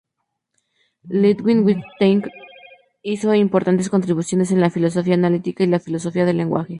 Ludwig Wittgenstein hizo importantes contribuciones en la filosofía analítica y la filosofía del lenguaje.